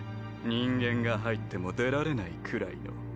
人間が入っても出られないくらいの